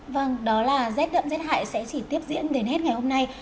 vâng đó là z đậm z hại sẽ chỉ tiếp diễn đến hết ngày hôm nay